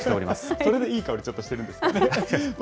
それでいい香り、ちょっとしているんですね。